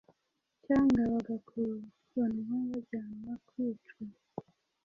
cyangwa bagakurubanwa bajyanwa kwicwa,